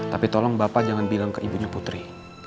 tapi tolong bapak jangan bilang ke ibunya putri